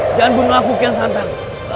jangan bunuh aku kian satan